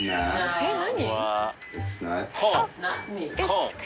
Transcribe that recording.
えっ何？